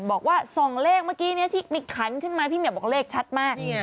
บอกว่าส่องเลขเมื่อกี้นี้ที่มีขันขึ้นมาพี่เหมียวบอกเลขชัดมาก